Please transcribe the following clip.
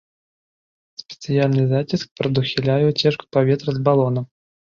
Спецыяльны заціск прадухіляе уцечку паветра з балона.